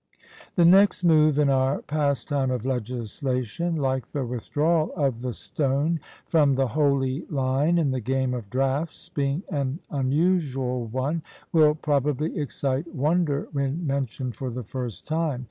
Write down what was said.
The next move in our pastime of legislation, like the withdrawal of the stone from the holy line in the game of draughts, being an unusual one, will probably excite wonder when mentioned for the first time.